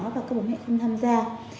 và các bố mẹ không tham gia